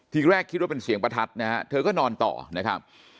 ทีแรกคิดว่าเป็นเสียงประทัดนะฮะเธอก็นอนต่อนะครับ